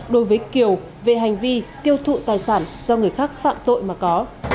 đối với kiều về hành vi tiêu thụ tài sản do người khác phạm tội mà có